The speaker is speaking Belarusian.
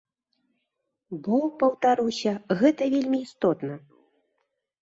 Бо, паўтаруся, гэта вельмі істотна.